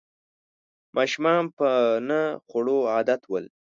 ماشومان په نه خوړو عادت ول